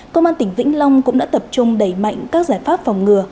công an tỉnh vĩnh long cũng đã tập trung đẩy mạnh các giải pháp phòng ngừa